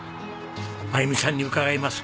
真由美さんに伺います。